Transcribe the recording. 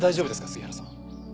杉原さん。